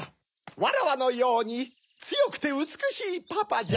わらわのようにつよくてうつくしいパパじゃ。